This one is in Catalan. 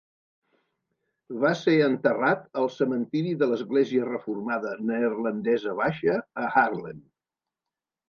Va ser enterrat al cementiri de l'església reformada neerlandesa baixa a Haarlem.